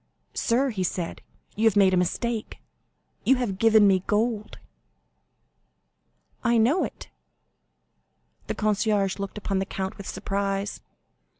"Sir," he said, "you have made a mistake; you have given me gold." "I know it." The concierge looked upon the count with surprise.